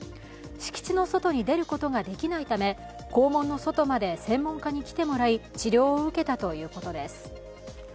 敷地の外に出ることができないため校門の外まで専門家に来てもらい、治療を受けたということです。